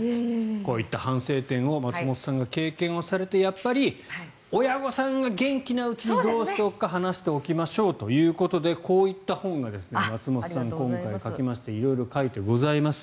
こういった反省点を松本さんが経験されてやっぱり親御さんが元気なうちにどうしておくか話しておきましょうということでこういった本が松本さん、今回書きまして色々書いてございます。